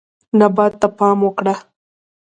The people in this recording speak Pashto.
نبات ته پام وکړه.